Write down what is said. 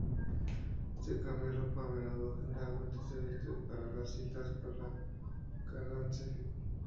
Se cambia de ropa a menudo, generalmente se viste para las citas con Candace.